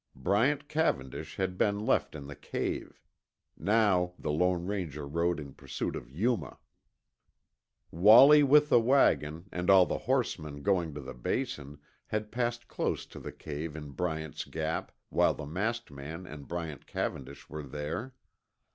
Bryant Cavendish had been left in the cave. Now the Lone Ranger rode in pursuit of Yuma. Wallie with the wagon, and all the horsemen going to the Basin, had passed close to the cave in Bryant's Gap while the masked man and Bryant Cavendish were there.